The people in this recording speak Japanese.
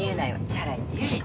チャラいっていうか。